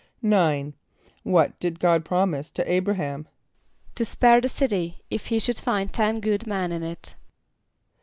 = =9.= What did God promise to [=A]´br[)a] h[)a]m? =To spare the city, if he should find ten good men in it.